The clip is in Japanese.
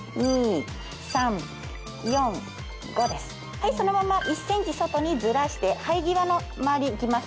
はいそのまま１ｃｍ外にずらして生え際の周り行きますよ。